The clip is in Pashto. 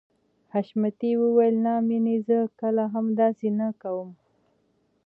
حشمتي وويل نه مينې زه کله هم داسې نه کوم.